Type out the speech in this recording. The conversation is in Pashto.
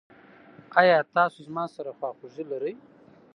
ایا تاسو زما سره خواخوږي لرئ؟